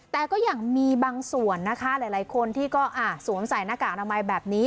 แต่ก็ยังมีบางส่วนนะคะหลายคนที่ก็สวมใส่หน้ากากอนามัยแบบนี้